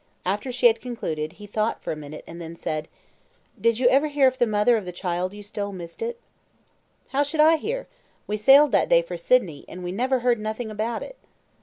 After she had concluded, he thought for a minute and then said "Did you ever hear if the mother of the child you stole missed it?" "How should I hear? We sailed that day for Sydney, and we never heard nothing about it."